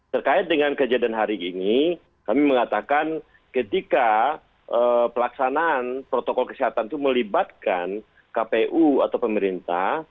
terkait dengan kejadian hari ini kami mengatakan ketika pelaksanaan protokol kesehatan itu melibatkan kpu atau pemerintah